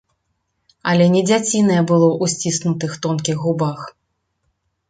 Але не дзяцінае было ў сціснутых тонкіх губах.